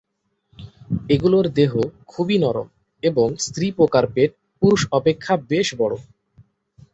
এগুলোর দেহ খুবই নরম এবং স্ত্রী পোকার পেট পুরুষ অপেক্ষা বেশ বড়ো।